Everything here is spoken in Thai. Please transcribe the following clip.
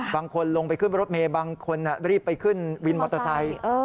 บางคนลงไปขึ้นรถเมย์บางคนรีบไปขึ้นวินมอเตอร์ไซค์